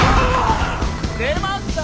出ました！